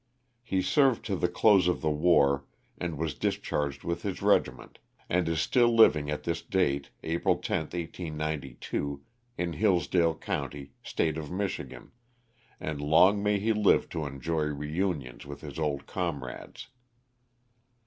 He served to the close of the war and was discharged with his regiment, and is still living at this date, April 10, 1892, in Hillsdale county, State of Michigan, and long may he live to enjoy reunions with his old comrades.